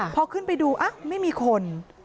พอขึ้นไปดูไม่มีคน